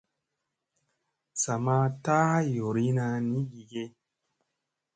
Sa ma taa yoorina ni gige.